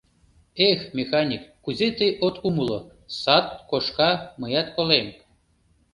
Эх, механик, кузе тый от умыло: сад кошка — мыят колем.